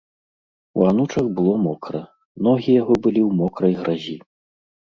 У анучах было мокра, ногі яго былі ў мокрай гразі.